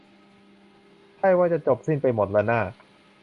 ใช่ว่าจะจบสิ้นไปหมดล่ะน่า